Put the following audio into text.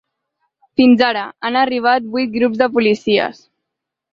Fins ara, han arribat vuit grups de policies.